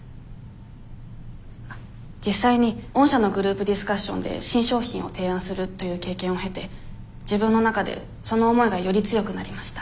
あっ実際に御社のグループディスカッションで新商品を提案するという経験を経て自分の中でその思いがより強くなりました。